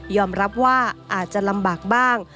รับว่าอาจจะลำบากบ้าง